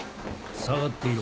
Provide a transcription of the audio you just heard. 下がっていろ。